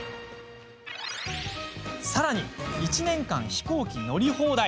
さらに、１年間飛行機乗り放題！